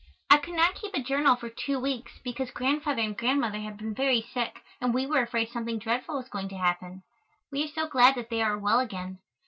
_ I could not keep a journal for two weeks, because Grandfather and Grandmother have been very sick and we were afraid something dreadful was going to happen. We are so glad that they are well again.